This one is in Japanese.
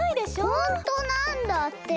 ほんとなんだって！